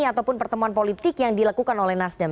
ataupun pertemuan politik yang dilakukan oleh nasdem